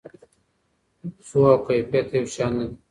وضوح او کیفیت یو شان نه دي.